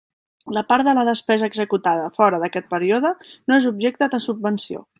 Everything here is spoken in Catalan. La part de la despesa executada fora d'aquest període no és objecte de subvenció.